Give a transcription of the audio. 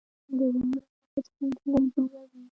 د واورې اوبه سیندونه جوړوي